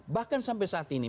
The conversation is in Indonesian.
bahkan sampai saat ini